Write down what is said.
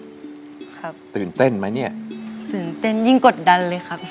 ครับตื่นเต้นไหมเนี่ยตื่นเต้นยิ่งกดดันเลยครับ